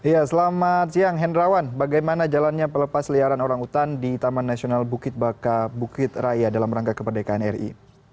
ya selamat siang hendrawan bagaimana jalannya pelepas liaran orang hutan di taman nasional bukit baka bukit raya dalam rangka kemerdekaan ri